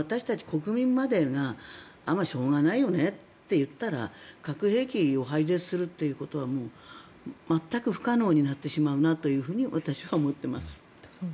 国民までがしょうがないよねって言ったら核兵器を廃絶するということはもう全く不可能になってしまうなと私は思っています。